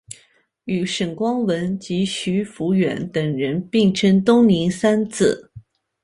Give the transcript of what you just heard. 与沈光文及徐孚远等人并称东宁三子。